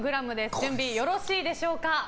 準備よろしいでしょうか。